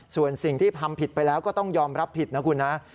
ส่วนสิ่งที่ทำผิดไปแล้วก็ต้องยอมรับผิดนะคุณนะ